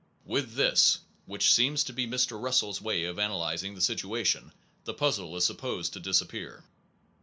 With this, which seems to be Mr. Russell s way of analyzing the situa tion, the puzzle is supposed to disappear.